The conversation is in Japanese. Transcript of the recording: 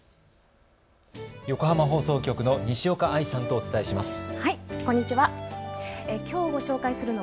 横浜放送局の西岡愛さんとお伝えします。